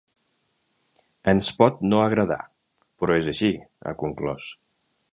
Ens pot no agradar, però és així, ha conclòs.